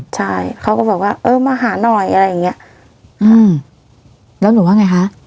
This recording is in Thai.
ใช่เขาก็บอกว่าเออมาหาหน่อยอะไรอย่างเงี้ยอืมแล้วหนูว่าไงคะ